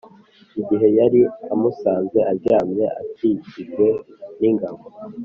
igihe yari amusanze aryamye akikijwe n’ingabo